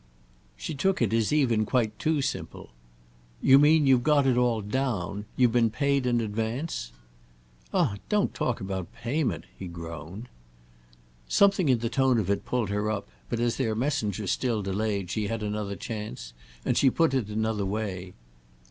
She took it as even quite too simple. "You mean you've got it all 'down'? You've been paid in advance?" "Ah don't talk about payment!" he groaned. Something in the tone of it pulled her up, but as their messenger still delayed she had another chance and she put it in another way.